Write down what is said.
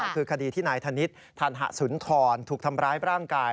คือคดีที่นายธนิษฐ์ธันหสุนทรถูกทำร้ายร่างกาย